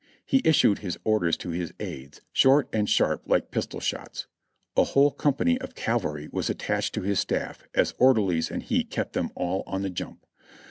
He issued his orders to his aides, short and sharp like pistol shots. A whole company of cavalry was attached to his staff as orderlies and he kept them all on the jump.